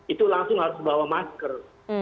itu langsung harus bawa masker